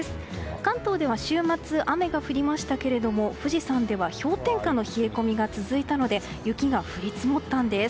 関東では週末雨が降りましたけれども富士山では氷点下の冷え込みが続いたので雪が降り積もったんです。